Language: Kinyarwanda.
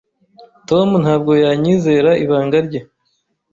Tom ntabwo yanyizera ibanga rye.